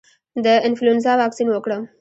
د انفلونزا واکسین وکړم؟